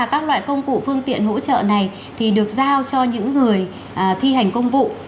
các loại công cụ phương tiện hỗ trợ này được giao cho những người thi hành công vụ